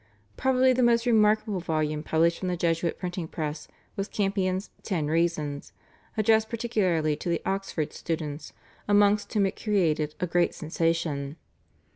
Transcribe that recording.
Probably the most remarkable volume published from the Jesuit printing press was Campion's /Ten Reasons/, addressed particularly to the Oxford students amongst whom it created a great sensation.